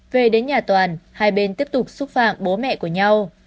về đến nhà toàn hai bên tiếp tục xúc phạm bố mẹ của nhau